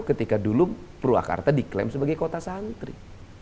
ketika dulu purwakarta diklaim sebagai kota santri